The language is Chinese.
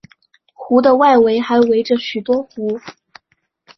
湖的外围还围着许多湖。